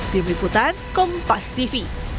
di wiputan kompas tv